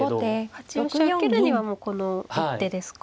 ８四飛車受けるにはもうこの一手ですか。